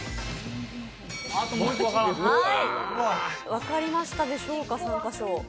分かりましたでしょうか、３カ所。